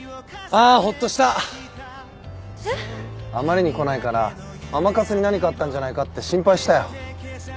あまりに来ないから甘春に何かあったんじゃないかって心配したよ。